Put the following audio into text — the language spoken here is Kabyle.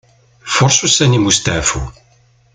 Faṛes ussan-im n usteɛfu.